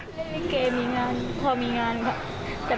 เกียร์มีงานพอมีงานค่ะ